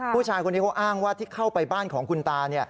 ผู้ชายคนนี้เขาอ้างว่าที่เข้าไปบ้านของคุณตา